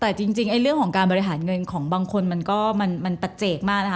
แต่จริงเรื่องของการบริหารเงินของบางคนมันก็มันตะเจกมากนะคะ